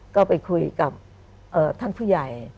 ก็ไปคุยกับท่านผู้ใหญ่